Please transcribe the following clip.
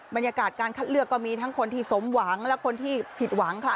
บรรยากาศการคัดเลือกก็มีทั้งคนที่สมหวังและคนที่ผิดหวังค่ะ